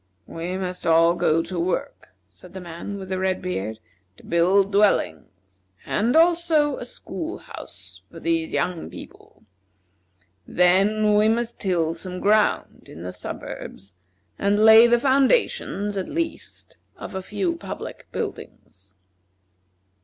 "We must all go to work," said the man with the red beard, "to build dwellings, and also a school house for these young people. Then we must till some ground in the suburbs, and lay the foundations, at least, of a few public buildings."